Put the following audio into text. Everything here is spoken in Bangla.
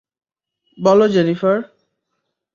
বলো, জেনিফার।